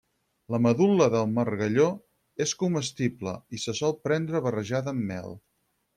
La medul·la del margalló és comestible i se sol prendre barrejada amb mel.